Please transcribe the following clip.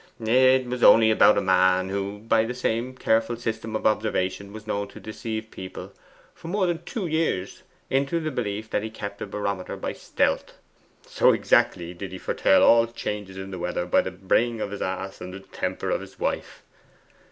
'It was only about a man who, by the same careful system of observation, was known to deceive persons for more than two years into the belief that he kept a barometer by stealth, so exactly did he foretell all changes in the weather by the braying of his ass and the temper of his wife.